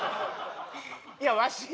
いやわしは。